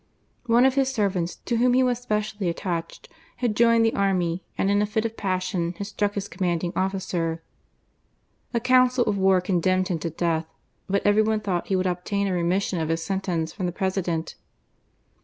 One of his servants, to whom he was specially attached, had joined the army, and in a fit of passion, had struck his commanding officer. A council of war condemned him to death, but every one thought that he would obtain a remis j sion of his sentence from the President.